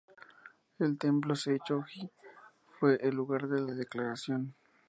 El templo Seicho-ji fue el lugar de la declaración.